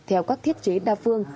theo các thiết chế đa phương